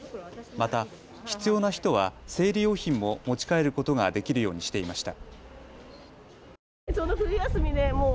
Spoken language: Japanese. また、必要な人は生理用品も持ち帰ることができるようにしていました。